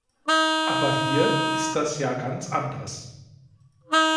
Aber hier ist das ja ganz anders.